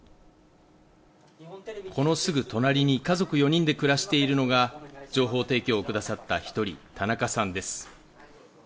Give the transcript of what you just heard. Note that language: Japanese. このすぐ隣に家族４人で暮らしているのが、情報提供をくださった一人、田中さんです。